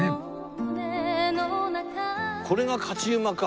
これが勝馬か。